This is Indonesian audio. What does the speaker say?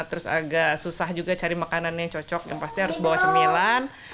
terus agak susah juga cari makanan yang cocok yang pasti harus bawa cemilan